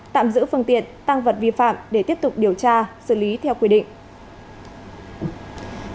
tạm giữ phương tiện tăng vật vi phạm để tiếp tục điều tra xử lý theo quy định